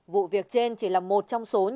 vụ việc trên chỉ là một trong số nhiều